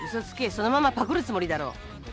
そのままパクるつもりだろ。